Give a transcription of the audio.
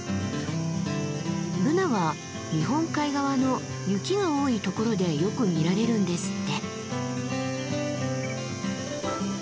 ブナは日本海側の雪が多いところでよく見られるんですって。